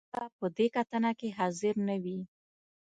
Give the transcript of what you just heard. دې به په دې کتنه کې حاضر نه وي.